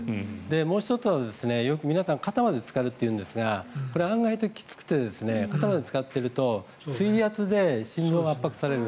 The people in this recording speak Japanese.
もう１つはよく皆さん肩までつかるというんですがこれ、案外ときつくて肩までつかっていると水圧で心臓が圧迫される。